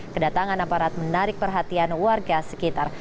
kedatangan aparat menarik perhatian warga sekitar